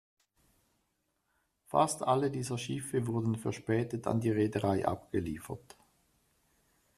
Fast alle dieser Schiffe wurden verspätet an die Reederei abgeliefert.